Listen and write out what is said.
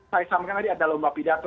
saya sampaikan tadi ada lomba pidato